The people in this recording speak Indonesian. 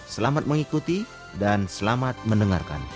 selamat mengikuti dan selamat mendengarkan